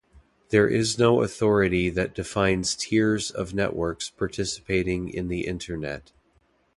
There is no authority that defines tiers of networks participating in the Internet.